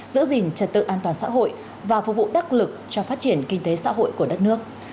giữ gìn trật tự an toàn xã hội và phục vụ đắc lực cho phát triển kinh tế xã hội của đất nước